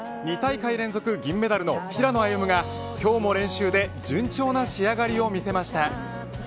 ２大会連続銀メダルの平野歩夢が今日も練習で順調な仕上がりを見せました。